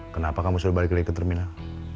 kenapa kamu sudah balik lagi ke terminal